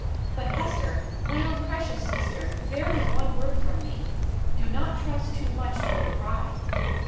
But, Hester! my own precious sister, bear with one word from me! Do not trust too much to your pride."